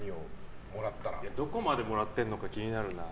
どこまでもらってるのか気になるな。